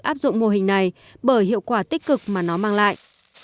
áp dụng mô hình này bởi hiệu quả tích cực mà nó mang lại